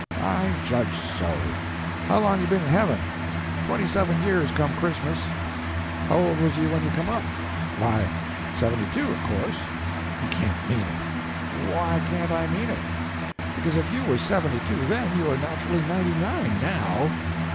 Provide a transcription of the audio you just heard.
"I judged so. How long you been in heaven?" "Twenty seven years, come Christmas." "How old was you when you come up?" "Why, seventy two, of course." "You can't mean it!" "Why can't I mean it?" "Because, if you was seventy two then, you are naturally ninety nine now."